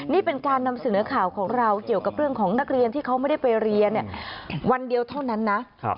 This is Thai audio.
นี่เป็นการนำเสนอข่าวของเราเกี่ยวกับเรื่องของนักเรียนที่เขาไม่ได้ไปเรียนวันเดียวเท่านั้นนะ